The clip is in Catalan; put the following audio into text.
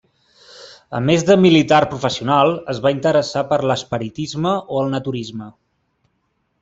A més de militar professional, es va interessar per l'espiritisme o el naturisme.